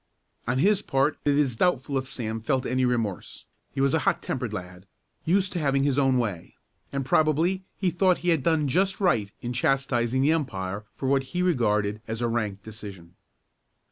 On his part it is doubtful if Sam felt any remorse. He was a hot tempered lad, used to having his own way, and probably he thought he had done just right in chastising the umpire for what he regarded as a rank decision.